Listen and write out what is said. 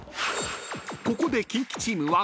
［ここでキンキチームは］